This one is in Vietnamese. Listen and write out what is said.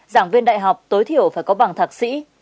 giảng viên đại học tối thiểu phải có bằng thạc sĩ